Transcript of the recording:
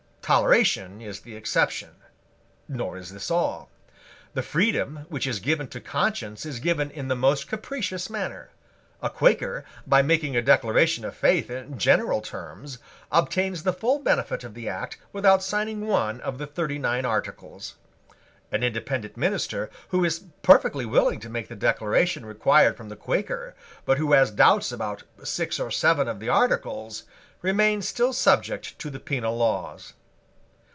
Toleration is the exception. Nor is this all. The freedom which is given to conscience is given in the most capricious manner. A Quaker, by making a declaration of faith in general terms, obtains the full benefit of the Act without signing one of the thirty nine Articles. An Independent minister, who is perfectly willing to make the declaration required from the Quaker, but who has doubts about six or seven of the Articles, remains still subject to the penal laws.